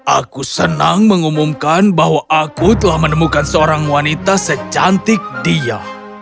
aku senang mengumumkan bahwa aku telah menemukan seorang wanita secantik dia